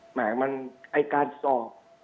แหมมันไอ้การสอบ